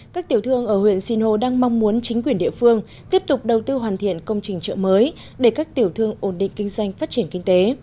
các tiểu thương ở huyện sinh hồ đang mong muốn chính quyền địa phương tiếp tục đầu tư hoàn thiện công trình chợ mới để các tiểu thương ổn định kinh doanh phát triển kinh tế